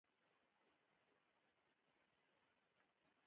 حساب ورکول ولې اړین دي؟